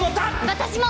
私も！